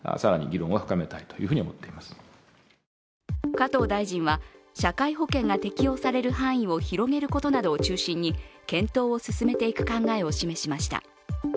加藤大臣は社会保険が適用される広げることなどを中心に検討を進めていく考えを示しました。